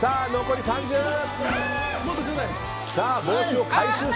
残り１０秒。